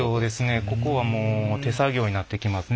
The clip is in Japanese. ここはもう手作業になってきますね